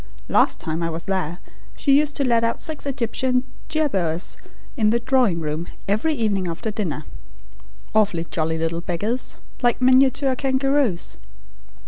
Last time I was there she used to let out six Egyptian jerboas in the drawing room every evening after dinner, awfully jolly little beggars, like miniature kangaroos.